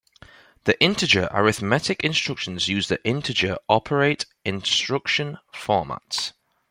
The integer arithmetic instructions use the integer operate instruction formats.